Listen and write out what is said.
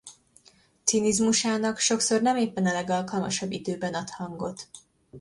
Cinizmusának sokszor nem éppen a legalkalmasabb időben ad hangot.